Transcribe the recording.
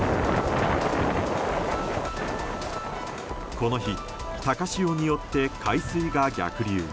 この日、高潮によって海水が逆流。